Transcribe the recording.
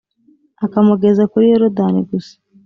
akamugeza kuri Yorodani gusa